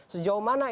sejauh mana ini